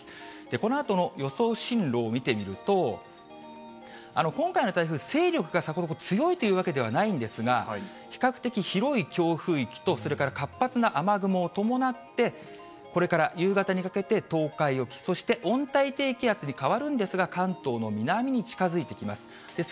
このあとの予想進路を見てみると、今回の台風、勢力がさほど強いというわけではないんですが、比較的、広い強風域とそれから活発な雨雲を伴って、これから夕方にかけて東海沖、そして温帯低気圧に変わるんですが、関東の南に近づいてきます。